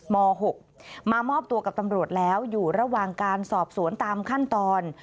ม๖มามอบตัวกับตำรวจแล้วอยู่ระหว่างการสอบสวนตามขั้นตอน